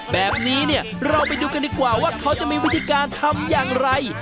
แบบนี้เนี่ยเราไปดูกันดีกว่าว่าเขาจะมีวิธีการทำอย่างไร